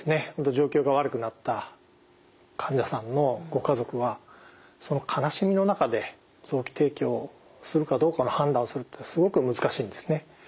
状況が悪くなった患者さんのご家族は悲しみの中で臓器提供するかどうかの判断をするってすごく難しいんですね。